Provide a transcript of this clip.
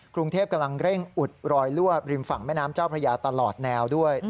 กรุงเทพกำลังเร่งอุดรอยลั่วริมฝั่งแม่น้ำเจ้าพระยาตลอดแนวด้วย